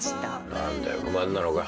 何だよ不満なのか？